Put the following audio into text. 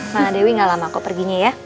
pak dewi gak lama kok perginya ya